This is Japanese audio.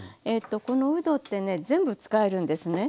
このうどってね全部使えるんですね。